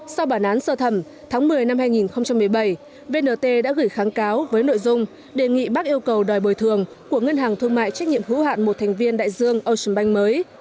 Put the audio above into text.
sau bản án sơ thẩm tháng một mươi năm hai nghìn một mươi bảy vnt đã gửi kháng cáo với nội dung đề nghị bác yêu cầu đòi bồi thường của ngân hàng thương mại trách nhiệm hữu hạn một thành viên đại dương ocean bank mới